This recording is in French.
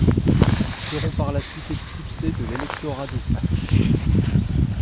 Ils seront par la suite expulsés de l’Électorat de Saxe.